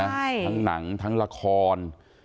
ทั้งหนังทั้งละคร